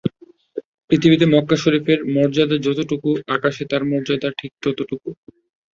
পৃথিবীতে মক্কা শরীফের মর্যাদা যতটুকু আকাশে তার মর্যাদা ঠিক ততটুকু।